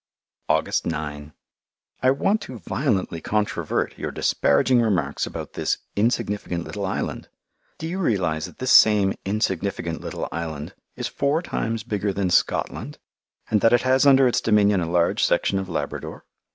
August 9 I want to violently controvert your disparaging remarks about this "insignificant little island." Do you realize that this same "insignificant little island" is four times bigger than Scotland, and that it has under its dominion a large section of Labrador?